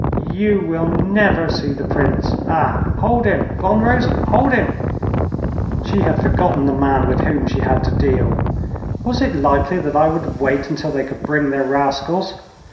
'You will never see the Prince. Ah! Hold him, Von Rosen, hold him.' She had forgotten the man with whom she had to deal was it likely that I would wait until they could bring their rascals?